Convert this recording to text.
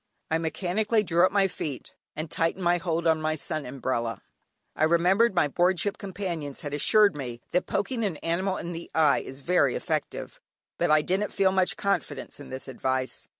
I mechanically drew up my feet, and tightened my hold on my sun umbrella; I remembered my board ship companions had assured me that poking an animal in the eye is very effective, but I didn't feel much confidence in this advice.